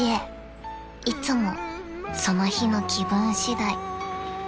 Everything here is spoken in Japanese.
［いつもその日の気分次第］